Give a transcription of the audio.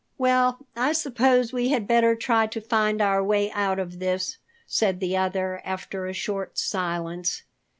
"Well, I suppose we had better try to find our way out of this," said the other after a short silence.